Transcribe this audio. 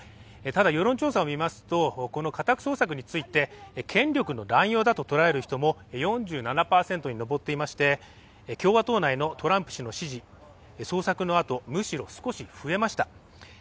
ただ、世論調査を見ますとこの家宅捜索について権力の乱用だと捉える人も４７％にのぼっていまして共和党内のトランプ氏の支持捜索のあとむしろ少し増えました。